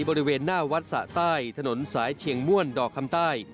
บริเวณหน้าวัดสะใต้ถนนสายเชียงม่วนดอกคำใต้